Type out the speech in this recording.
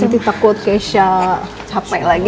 lebih takut keisha capek lagi